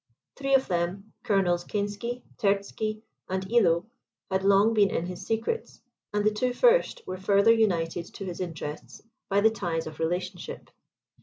Three of them, Colonels Kinsky, Terzky, and Illo, had long been in his secrets, and the two first were further united to his interests by the ties of relationship.